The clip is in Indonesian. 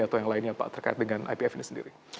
atau yang lainnya pak terkait dengan ipf ini sendiri